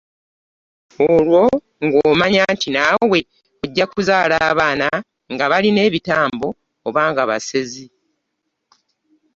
Olwo ng’omanya nti naawe ojja kuzaala abaana nga balina ebitambo oba nga basezi.